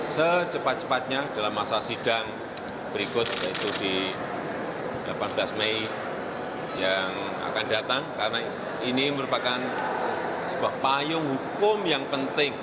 saya akan keluarkan perbut